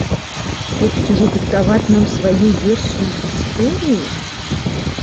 Хопіць ужо дыктаваць нам сваю версію гісторыі?